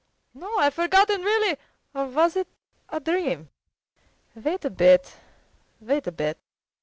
"No, I've forgotten really. Or was it a dream? Wait a bit, wait a bit!